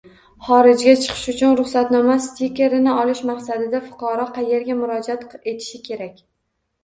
Xorijga chiqish uchun ruxsatnoma stikerini olish maqsadida fuqaro qayerga murojaat etishi kerak?